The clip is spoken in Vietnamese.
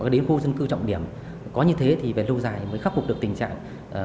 đến khu dân cư trọng điểm có như thế thì về lâu dài mới khắc phục được tình trạng